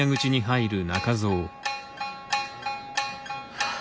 はあ。